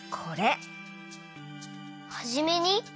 「はじめに」？